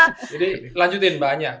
jadi lanjutin mbak anya